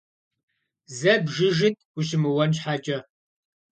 Зэ бжыжыт ущымыуэн щхьэкӀэ.